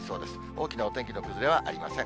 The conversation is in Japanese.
大きなお天気の崩れはありません。